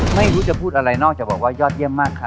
ไม่รู้จะพูดอะไรนอกจากบอกว่ายอดเยี่ยมมากค่ะ